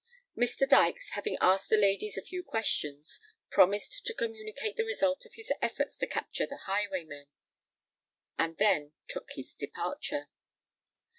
Mr. Dykes, having asked the ladies a few questions, promised to communicate the result of his efforts to capture the highwayman; and then took his departure.